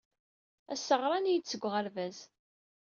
Ass-a, ɣran-iyi-d seg uɣerbaz.